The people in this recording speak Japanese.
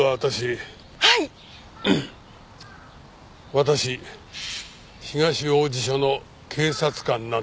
私東王子署の警察官なんです。